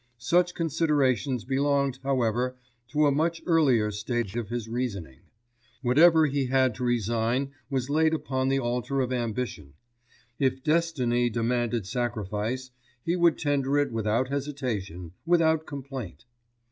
Such considerations belonged, however, to a much earlier stage of his reasoning. Whatever he had to resign was laid upon the altar of ambition. If destiny demanded sacrifice, he would tender it without hesitation, without complaint.